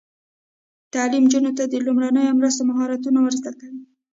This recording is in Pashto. تعلیم نجونو ته د لومړنیو مرستو مهارتونه ور زده کوي.